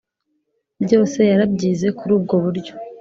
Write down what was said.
byose yarabyize kuri ubwo buryo.